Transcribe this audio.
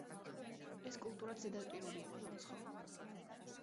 ეს კულტურად ზედაპირული იყო და უცხო.